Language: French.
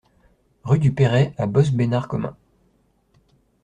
Rue du Perrey à Bosc-Bénard-Commin